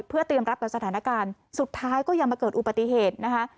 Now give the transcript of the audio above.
เพื่อเตรียมรับกับสถานการณ์สุดท้ายก็ยังมาเกิดอุบัติเหตุนะคะ